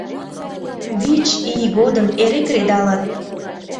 Вич ий годым эре кредалыт.